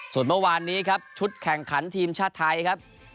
ส่วนเมื่อวานนี้ครับชุดแข่งขันทีมชาติไทยครับ